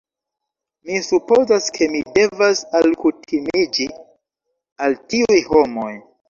Mi supozas, ke mi devas alkutimiĝi al tiuj homoj